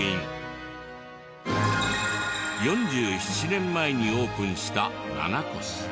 ４７年前にオープンした七輿。